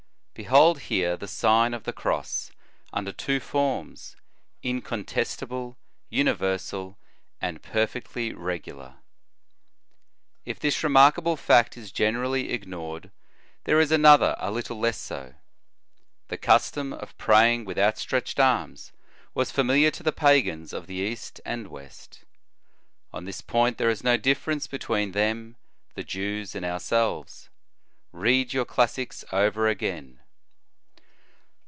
* Behold here the Sign of the Cross under two forms, incontestable, universal, and perfectly reoailar. O If this remarkable fact is generally ignored, there is another a little less so. The custom of praying with outstretched arms was famil iar to the pagans of the East and West. On this point there is no difference between them, the Jews, and ourselves. Read your classics over again.